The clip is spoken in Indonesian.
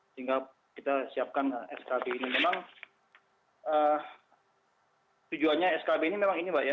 sehingga kita siapkan skb ini memang tujuannya skb ini memang ini mbak ya